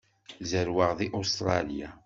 Zerweɣ deg Ustṛalya.